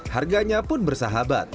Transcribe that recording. harganya pun bersahabat